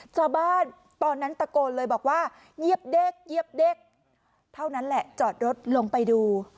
ตอนนั้นตะโกนเลยบอกว่าเหยียบเด็กเหยียบเด็กเท่านั้นแหละจอดรถลงไปดู